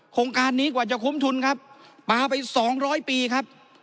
โครงการนี้กว่าจะคุ้มทุนครับมาไป๒๐๐ปีครับ